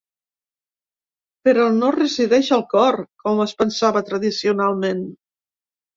Però no resideix al cor, com es pensava tradicionalment.